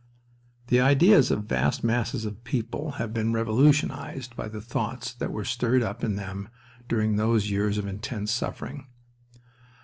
The ideas of vast masses of people have been revolutionized by the thoughts that were stirred up in them during those years of intense suffering.